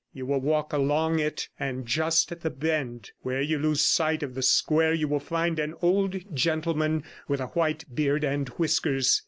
You will walk along it, and just at the bend where you lose sight of the square you will find an old gentleman with a white beard and whiskers.